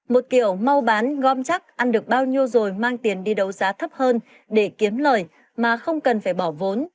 một kiểu mau bán gom chắc ăn được bao nhiêu rồi mang tiền đi đấu giá thấp hơn để kiếm lời mà không cần phải bỏ vốn